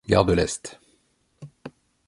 Gare de l’Est.